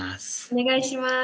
お願いします。